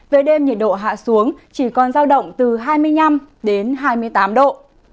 về đêm nhiệt độ hạ xuống chỉ còn giao động từ hai mươi năm đến hai mươi tám độ